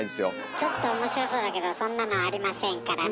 ちょっと面白そうだけどそんなのありませんからね。